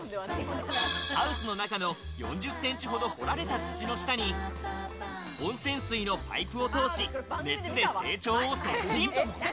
ハウスの中の４０センチほど掘られた土の下に、温泉水のパイプを通し、熱で成長を促進。